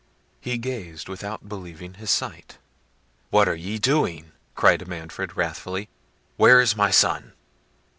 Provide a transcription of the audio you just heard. He gazed without believing his sight. "What are ye doing?" cried Manfred, wrathfully; "where is my son?"